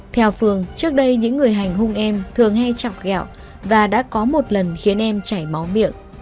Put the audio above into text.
theo phương trước đây những người hành hung em thường hay chọc gạo và đã có một lần khiến em chảy máu miệng